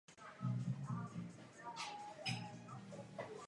V posledních dvou letech života trpěl chorobou mozku.